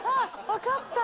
わかった？